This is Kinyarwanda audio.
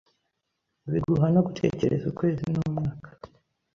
biguha no gutekereza ukwezi n’umwaka